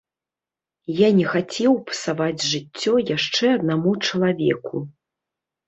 Я не хацеў псаваць жыццё яшчэ аднаму чалавеку.